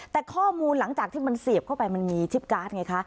แต่ข้อมูลหลังจากที่มันเสียบเข้าไปมันมีชิปการ์ดไงคะ